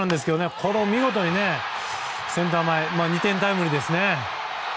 これを見事にセンター前２点タイムリーですね。